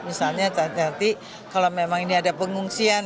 misalnya nanti kalau memang ini ada pengungsian